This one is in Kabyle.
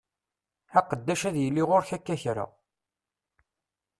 Aqeddac ad yili ɣur-k akka kra.